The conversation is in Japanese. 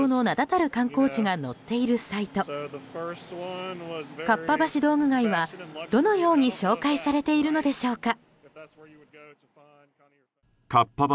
かっぱ橋道具街は、どのように紹介されているのでしょうか。